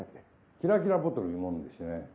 キラキラボトルいうものでしてね。